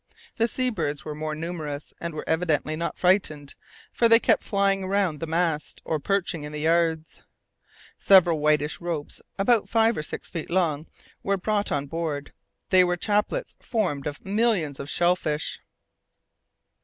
The sea birds were more numerous, and were evidently not frightened; for they kept flying round the mast, or perching in the yards. Several whitish ropes about five or six feet long were brought on board. They were chaplets formed of millions of pearly shell fish.